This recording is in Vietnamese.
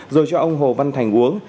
rồi cho ông hồ văn thành uống